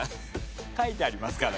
書いてありますから。